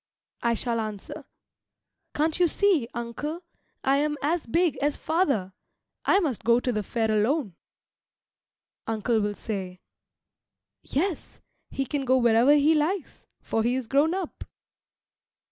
I shall answer, "Can't you see, uncle, I am as big as father. I must go to the fair alone." Uncle will say, "Yes, he can go wherever he likes, for he is grown up."